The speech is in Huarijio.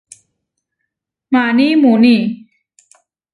Maní muuní.